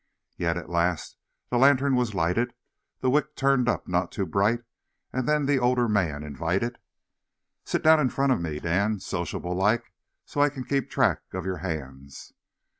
Yet at last the lantern was lighted, the wick turned up not too high, and then the older man invited: "Sit down in front of me, Dan, sociable like, so I can keep track of yer hands."